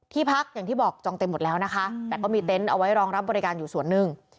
พักอย่างที่บอกจองเต็มหมดแล้วนะคะแต่ก็มีเต็นต์เอาไว้รองรับบริการอยู่ส่วนหนึ่ง